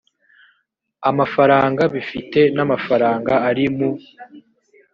amafaranga bifite n amafaranga ari mu